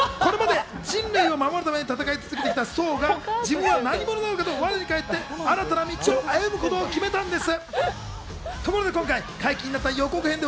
これまで人類を守るために戦い続けてきたソーが自分は何者なのかとわれに返って新たな道を歩むことを決めます。